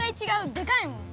でかいもん。